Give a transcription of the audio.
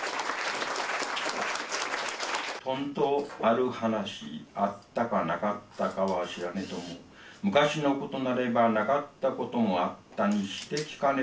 ほんとある話あったかなかったかは知らねども昔のことなればなかったこともあったにして聞かねばならぬ。